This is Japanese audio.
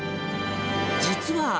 実は。